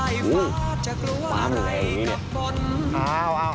อยู่ใต้ฟ้าจะกลัวอะไรกับฝน